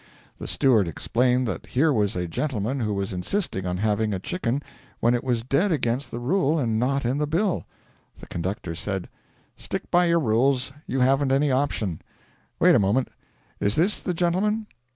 The steward explained that here was a gentleman who was insisting on having a chicken when it was dead against the rule and not in the bill. The conductor said: 'Stick by your rules you haven't any option. Wait a moment is this the gentleman?'